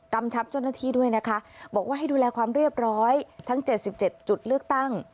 ชับเจ้าหน้าที่ด้วยนะคะบอกว่าให้ดูแลความเรียบร้อยทั้ง๗๗จุดเลือกตั้ง